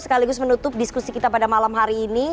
sekaligus menutup diskusi kita pada malam hari ini